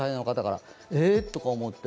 えとか思って。